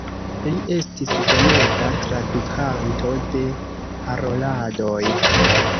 Li estis bonega tradukanto de paroladoj.